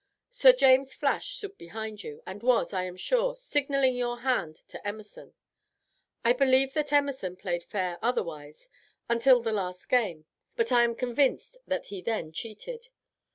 Sir James Flash stood behind you, and was, I am sure, signaling your hand to Emerson. I believe that Emerson played fair otherwise, until the last game, but I am convinced that he then cheated.